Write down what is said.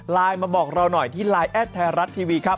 มาบอกเราหน่อยที่ไลน์แอดไทยรัฐทีวีครับ